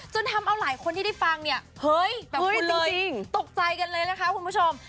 จนทำเอาหลายคนที่ได้ฟังตกใจกันเลยนะคะคุณผู้ชม